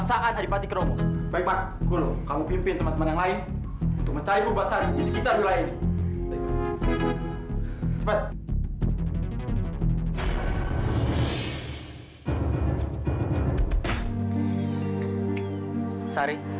sampai jumpa di video selanjutnya